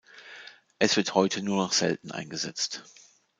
Es wird heute nur noch selten eingesetzt.